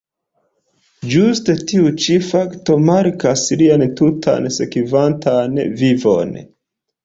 Ĝuste tiu ĉi fakto markas lian tutan sekvantan vivon.